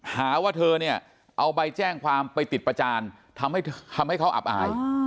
หาว่าเธอเนี่ยเอาใบแจ้งความไปติดประจานทำให้เขาอับอาย